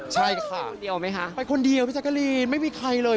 ใช่ค่ะไปคนเดียวมั้ยคะพี่จักรีไม่มีใครเลย